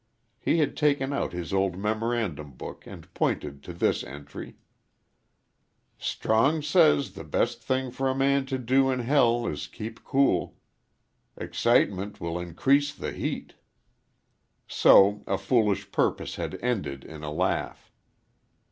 He had taken out his old memorandum book and pointed to this entry: "Strong says the best thing fer a man to do in hell is kepe cool. Excitement will increase the heat." So a foolish purpose had ended in a laugh.